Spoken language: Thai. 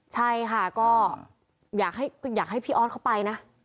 ใช่ค่ะก็อยากให้พี่ออสเข้าไปนะ